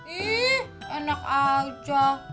ih enak aja